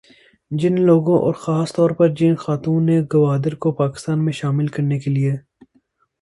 جن لوگوں اور خاص طور پر جن خاتون نے گوادر کو پاکستان میں شامل کرنے کے لیے